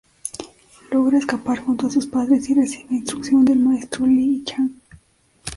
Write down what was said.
Logra escapar junto a sus padres y recibe instrucción del maestro Li Chang.